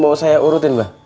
mau saya urutin mbah